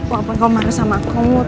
wah apa kau marah sama aku